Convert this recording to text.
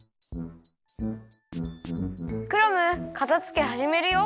クラムかたづけはじめるよ。